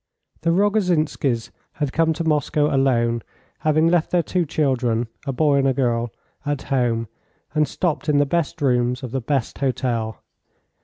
The Rogozhinskys had come to Moscow alone, having left their two children a boy and a girl at home, and stopped in the best rooms of the best hotel.